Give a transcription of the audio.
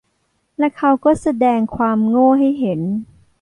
และเขาก็แสดงความโง่ให้เห็น